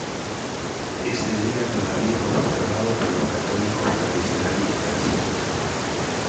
Ese día todavía es observado por los católicos tradicionalistas.